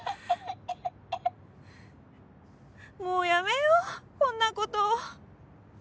もうやめようこんなこと